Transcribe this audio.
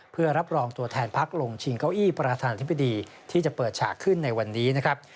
เพื่อรับรองตัวแทนพักลงชิงเก้าอี้ประธานธิบดีที่จะเปิดฉากขึ้นในวันนี้นะครับ